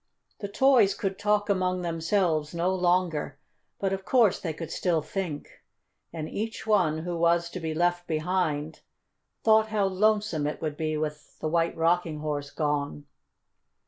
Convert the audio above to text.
The toys could talk among themselves no longer, but of course they could still think, and each one who was to be left behind thought how lonesome it would be with the White Rocking Horse gone.